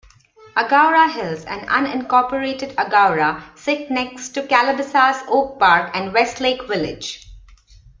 Agoura Hills and unincorporated Agoura sit next to Calabasas, Oak Park, and Westlake Village.